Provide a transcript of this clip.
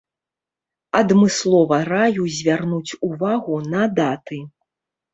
Адмыслова раю звярнуць увагу на даты.